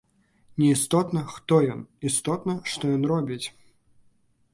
Неістотна, хто ён, істотна, што ён робіць.